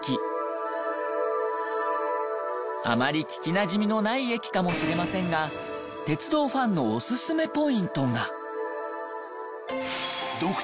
あまり聞きなじみのない駅かもしれませんが鉄道ファンのオススメポイントが。